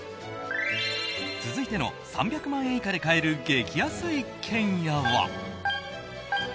続いての３００万円以下で買える激安一軒家は。